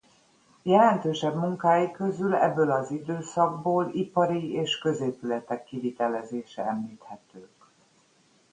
Jelentősebb munkái közül ebből az időszakból ipari és középületek kivitelezése említhetők.